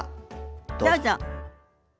どうぞ。